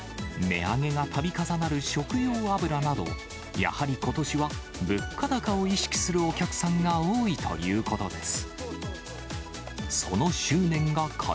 値上げがたび重なる食用油など、やはりことしは物価高を意識するお客さんが多いということです。